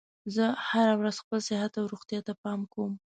زه هره ورځ خپل صحت او روغتیا ته پام کوم